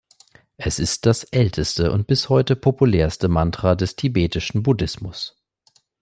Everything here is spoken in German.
Es ist das älteste und bis heute populärste Mantra des tibetischen Buddhismus.